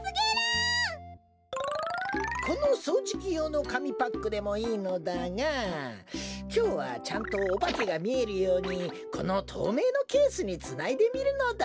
このそうじきようのかみパックでもいいのだがきょうはちゃんとおばけがみえるようにこのとうめいのケースにつないでみるのだ。